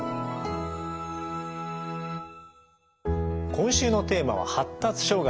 今週のテーマは「発達障害」。